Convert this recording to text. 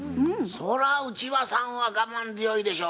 そら内場さんは我慢強いでしょ。